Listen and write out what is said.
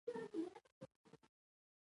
پاکي د ایمان نیمه برخه ده.